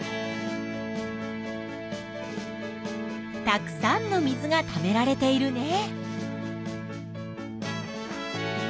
たくさんの水がためられているね。